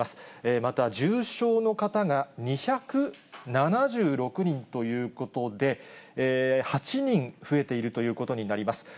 また重症の方が２７６人ということで、８人増えているということになります。